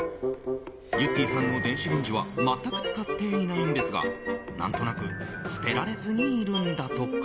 ゆってぃさんの電子レンジは全く使っていないんですが何となく捨てられずにいるんだとか。